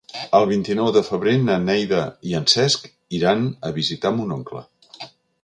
El vint-i-nou de febrer na Neida i en Cesc iran a visitar mon oncle.